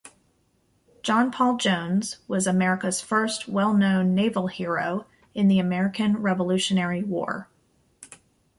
John Paul Jones was America's first well-known naval hero in the American Revolutionary War.